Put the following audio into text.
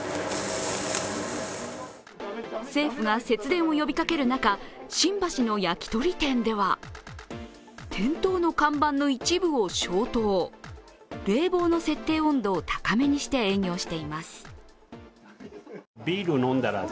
政府が節電を呼びかける中、新橋の焼き鳥店では店頭の看板の一部を消灯、冷房の設定温度を高めにして営業しています。